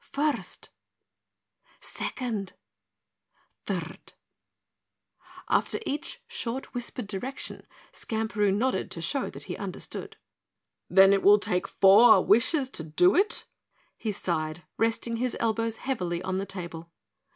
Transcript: "First, ... second, ... third, ...." After each short whispered direction Skamperoo nodded to show that he understood. "Then it will take four wishes to do it," he sighed, resting his elbows heavily on the table.